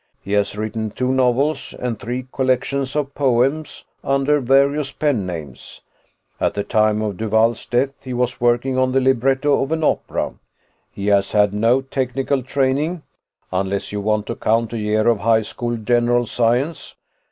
He has written two novels and three collections of poems under various pen names. At the time of Duvall's death, he was working on the libretto of an opera. He has had no technical training, unless you want to count a year of high school general science.